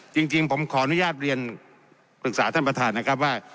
จริงผมขออนุญาตเรียนปรึกษาท่านประธานนะครับว่า